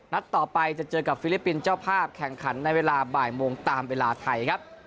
นัดต่อไปจะเจอกับฟิลิปปินส์เจ้าภาพแข่งขันในเวลาบ่ายโมงตามเวลาไทยครับ